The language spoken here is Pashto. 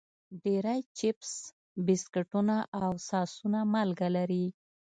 ډېری چپس، بسکټونه او ساسونه مالګه لري.